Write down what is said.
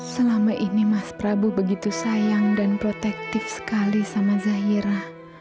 selama ini mas prabu begitu sayang dan protektif sekali sama zahira